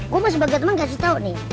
gue mah sebagai temen ngasih tau nih